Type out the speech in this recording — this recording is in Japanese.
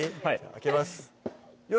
開けますよ